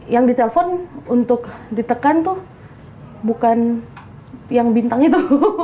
yang ditelepon untuk ditekan tuh bukan yang bintang itu